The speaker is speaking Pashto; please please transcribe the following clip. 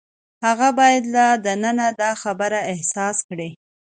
هغه باید له دننه دا خبره احساس کړي.